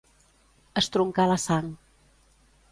Estroncar la sang.